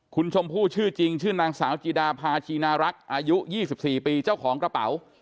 คุณชมพู่ชื่อจริงชื่อนางสาวจีดาพาชีนารักษ์อายุ๒๔ปีเจ้าของกระเป๋า